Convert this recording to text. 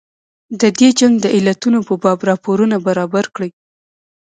د دې جنګ د علتونو په باب راپورونه برابر کړي.